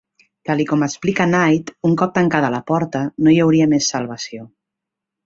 Tal i com explica Knight, un cop tancada la porta, no hi hauria més salvació.